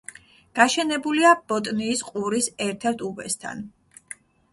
გაშენებულია ბოტნიის ყურის ერთ-ერთ უბესთან.